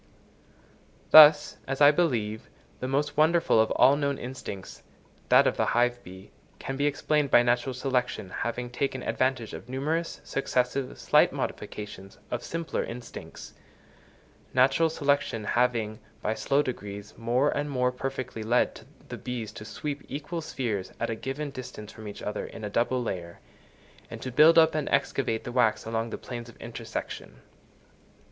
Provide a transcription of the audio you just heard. Thus, as I believe, the most wonderful of all known instincts, that of the hive bee, can be explained by natural selection having taken advantage of numerous, successive, slight modifications of simpler instincts; natural selection having, by slow degrees, more and more perfectly led the bees to sweep equal spheres at a given distance from each other in a double layer, and to build up and excavate the wax along the planes of intersection.